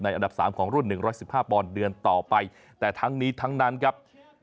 อันดับ๓ของรุ่น๑๑๕ปอนด์เดือนต่อไปแต่ทั้งนี้ทั้งนั้นครับ